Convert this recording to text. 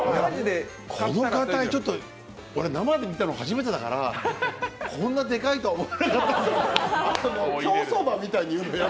このガタイちょっと俺、生で見たの初めてだからこんなでかいとは思わなかったから。